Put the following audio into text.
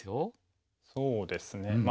そうですね。